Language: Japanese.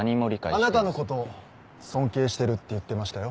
あなたのことを尊敬してるって言ってましたよ